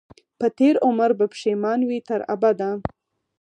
په تېر عمر به پښېمان وي تر ابده